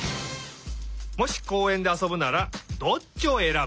もしこうえんであそぶならどっちをえらぶ？